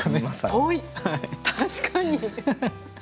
確かに。